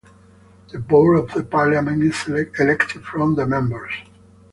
The board of parliament is elected from the members.